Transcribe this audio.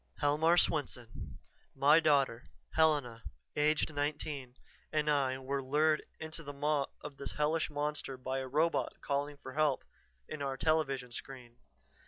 "Helmar Swenson. My daughter, Helena, aged nineteen, and I were lured into the maw of this hellish monster by a robot calling for help in our television screen.